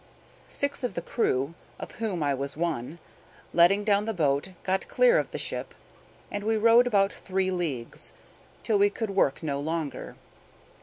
Six of the crew, of whom I was one, letting down the boat, got clear of the ship, and we rowed about three leagues, till we could work no longer.